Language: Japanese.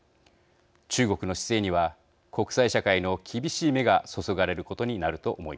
中国の姿勢には国際社会の厳しい目が注がれることになると思います。